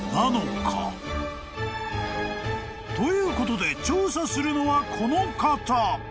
［ということで調査するのはこの方］